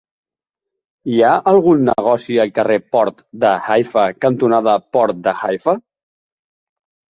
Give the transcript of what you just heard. Hi ha algun negoci al carrer Port de Haifa cantonada Port de Haifa?